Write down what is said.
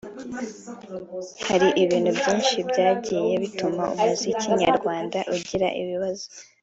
Hari ibintu byinshi byagiye bituma umuziki nyarwanda ugira ibibazo